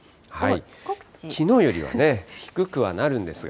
きのうよりはね、低くはなるんですが。